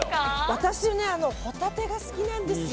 私ね、ホタテが好きなんですよ。